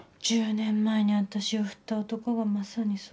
１０年前に私を振った男がまさにそう言ってたな。